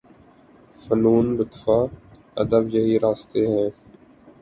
فنون لطیفہ، ادب یہی راستے ہیں۔